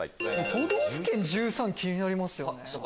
「都道府県１３」気になりますよね。